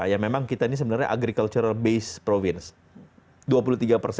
ya memang kita ini sebenarnya agriculture based province